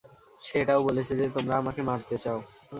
সে এটাও বলেছে যে, তোমরা আমাকে মারতে চাও।